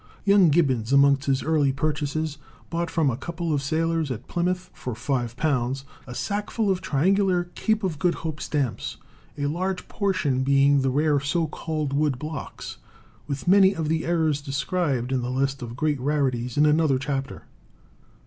Young Gibbons, amongst his early purchases, bought from a couple of sailors at Plymouth for £5 a sackful of triangular Cape of Good Hope stamps, a large proportion being the rare so called Woodblocks, with many of the Errors described in the list of great rarities in another chapter.